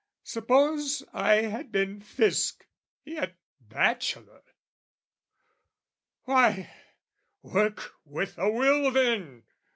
Suppose I had been Fisc, yet bachelor! Why, work with a will, then!